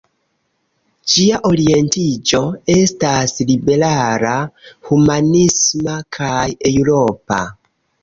Ĝia orientiĝo estas liberala, humanisma kaj eŭropa.